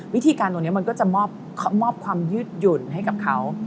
วิธีการตรงนี้มันก็จะมอบความยืดหยุ่นให้กับเขา